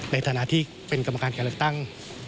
ในฐานะที่เป็นกรรมการการเลือกตั้ง